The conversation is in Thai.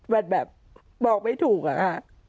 มันแบบบอกไม่ถูกอะค่ะ